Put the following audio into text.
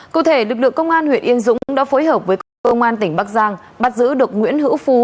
cụ thể lực lượng công an huyện yên dũng đã phối hợp với công an tỉnh bắc giang bắt giữ được nguyễn hữu phú